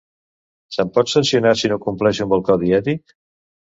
Se'm pot sancionar si no compleixo amb el codi ètic?